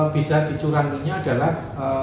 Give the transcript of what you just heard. bisa dicuranginnya adalah